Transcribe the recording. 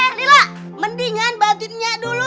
eh lila mendingan bajunya dulu